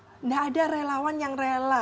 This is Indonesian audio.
tidak ada relawan yang rela